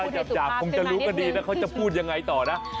ค่ะพูดให้สุภาพเป็นมากนิดนึง